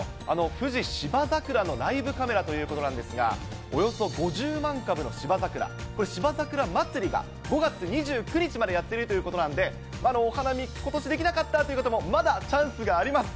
富士芝桜のライブカメラということなんですが、およそ５０万株の芝桜、これ、芝桜祭りが５月２９日までやっているということなんで、お花見、ことし、できなかったという方もまだチャンスがあります。